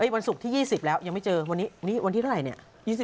วันศุกร์ที่๒๐แล้วยังไม่เจอวันนี้วันที่เท่าไหร่เนี่ย